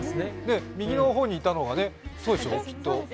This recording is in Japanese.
右の方にいたのが、そうでしょう、きっと。